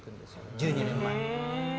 １２年前。